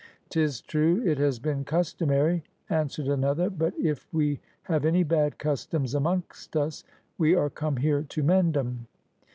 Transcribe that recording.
*''Tis true it has been customary/' answered another, *'but if we have any bad customs amongst us, we are come here to mend *em!